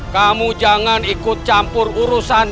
kamu jangan ikut campur urusan